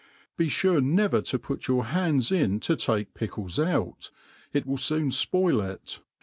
Be Ture ne ver to put your hands in to take pickles out, it will foon fpojl jt.